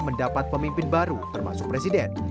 mendapat pemimpin baru termasuk presiden